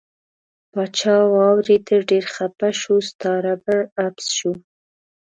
پاچا واوریده ډیر خپه شو ستا ربړ عبث شو.